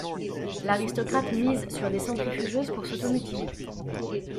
L'aristocrate mise sur des centrifugeuses pour s'auto-mutiler.